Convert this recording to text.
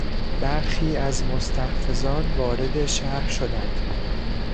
برخی از مستحفظان وارد شهر شدند.